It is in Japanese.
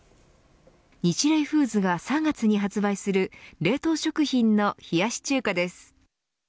ニチレイフーズが３月に発売する冷凍食品の冷やし中華です。